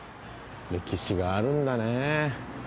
歴史があるんだね。